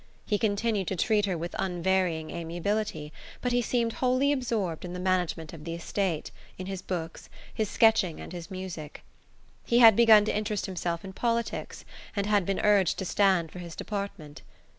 He continued to treat her with unvarying amiability, but he seemed wholly absorbed in the management of the estate, in his books, his sketching and his music. He had begun to interest himself in politics and had been urged to stand for his department.